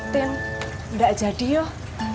tin nggak jadi yuk